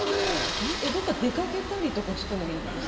どっか出かけたりしてもいいんですか？